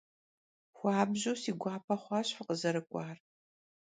Xuabju si guape xhuaş fıkhızerık'uar.